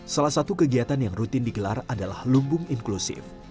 salah satu kegiatan yang rutin digelar adalah lumbung inklusif